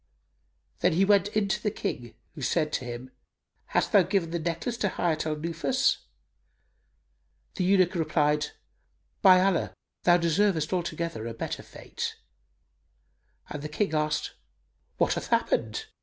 Then he went in to the King who said to him "Hast thou given the necklace to Hayat al Nufus?" The eunuch replied, "By Allah, thou deservest altogether a better fate;" and the King asked, "What hath happened?